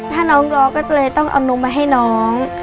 ถ้าน้องรอก็เลยต้องเอานมมาให้น้อง